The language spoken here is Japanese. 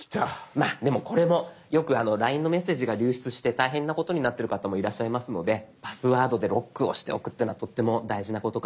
まあでもこれもよくＬＩＮＥのメッセージが流出して大変なことになってる方もいらっしゃいますのでパスワードでロックをしておくというのはとっても大事なことかと思います。